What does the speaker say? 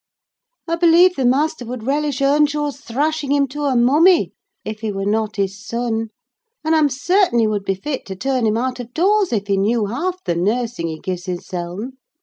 I believe the master would relish Earnshaw's thrashing him to a mummy, if he were not his son; and I'm certain he would be fit to turn him out of doors, if he knew half the nursing he gives hisseln.